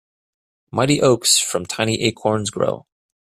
Mighty oaks from tiny acorns grow.